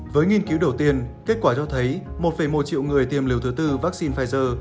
với nghiên cứu đầu tiên kết quả cho thấy một một triệu người tiềm liều thứ tư vaccine pfizer